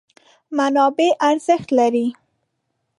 منابع ارزښت لري.